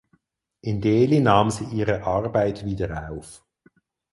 In Delhi nahm sie ihre Arbeit wieder auf.